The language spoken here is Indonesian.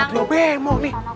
tidak perlu bemo nih